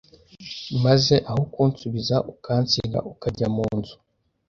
maze aho kunsubiza ukansiga ukajya mu nz